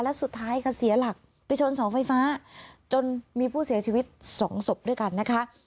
และสุดท้ายก็เสียหลักไปชนเสาไฟฟ้าจนมีผู้เสียชีวิตสองศพด้วยกันนะคะ